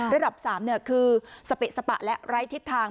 ระดับ๓คือสเปะสปะและไร้ทิศทาง